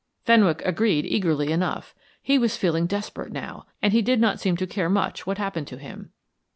Fenwick agreed eagerly enough; he was feeling desperate now, and he did not seem to care much what happened to him.